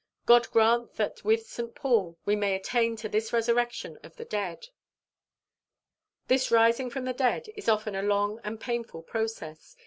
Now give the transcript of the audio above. God grant that with St. Paul we may attain to this resurrection of the dead. "This rising from the dead is often a long and a painful process.